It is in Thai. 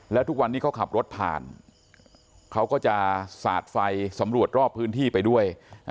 แล้วทุกวันนี้เขาขับรถผ่านเขาก็จะสาดไฟสำรวจรอบพื้นที่ไปด้วย